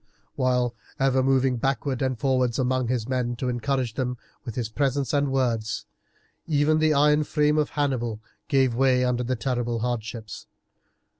While ever moving backwards and forwards among his men to encourage them with his presence and words, even the iron frame of Hannibal gave way under the terrible hardships.